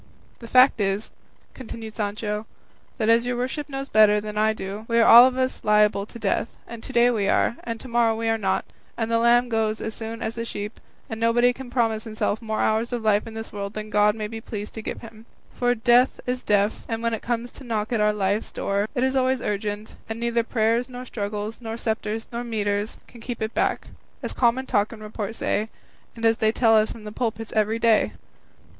"The fact is," continued Sancho, "that, as your worship knows better than I do, we are all of us liable to death, and to day we are, and to morrow we are not, and the lamb goes as soon as the sheep, and nobody can promise himself more hours of life in this world than God may be pleased to give him; for death is deaf, and when it comes to knock at our life's door, it is always urgent, and neither prayers, nor struggles, nor sceptres, nor mitres, can keep it back, as common talk and report say, and as they tell us from the pulpits every day."